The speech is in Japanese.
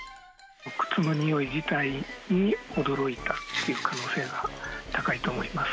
靴のにおい自体に驚いたっていう可能性が高いと思います。